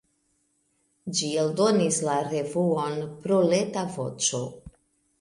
Ĝi eldonis la revuon "Proleta Voĉo".